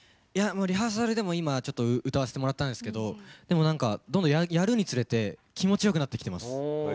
リハーサルでも今、歌わせてもらったんですけどでも、どんどんやるにつれて気持ちよくなってきています。